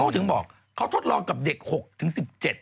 เขาถึงบอกเขาทดลองกับเด็ก๖๑๗